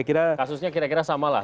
kasusnya kira kira sama lah